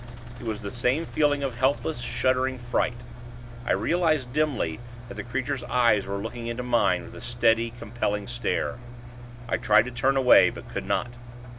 It was the same feeling of helpless, shuddering fright. I realized, dimly, that the creature's eyes were looking into mine with a steady, compelling stare. I tried to turn away; but could not.